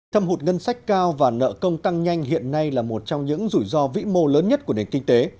thâm hụt ngân sách cao và nợ công tăng nhanh hiện nay là một trong những rủi ro vĩ mô lớn nhất của nền kinh tế